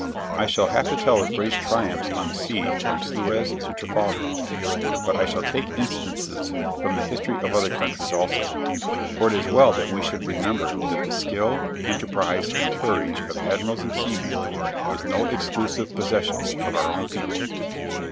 I shall have to tell of British triumphs on the sea from Sluys to Trafalgar; but I shall take instances from the history of other countries also, for it is well that we should remember that the skill, enterprise, and courage of admirals and seamen is no exclusive possession of our own people.